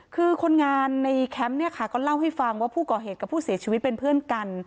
คือคนงานในแคมป์เนี่ยค่ะก็เล่าให้ฟังว่าผู้ก่อเหตุกับผู้เสียชีวิตเป็นเพื่อนกัน